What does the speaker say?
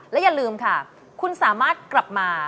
และอย่าลืมค่ะคุณสามารถกลับมา